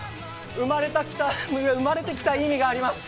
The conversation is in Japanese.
生まれてきた意味があります。